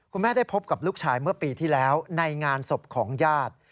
ได้พบกับลูกชายเมื่อปีที่แล้วในงานศพของญาติ